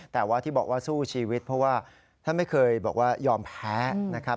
แต่ว่าที่บอกว่าสู้ชีวิตเพราะว่าท่านไม่เคยบอกว่ายอมแพ้นะครับ